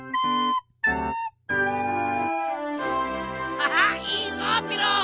ハハッいいぞピロ！